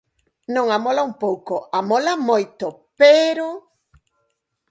Non amola un pouco amola moito, pero...